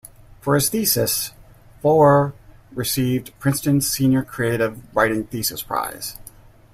For his thesis, Foer received Princeton's Senior Creative Writing Thesis Prize.